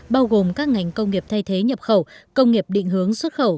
bao gồm các ngành công nghiệp thay thế nhập khẩu công nghiệp định hướng xuất khẩu